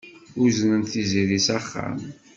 Uznent Tiziri s axxam.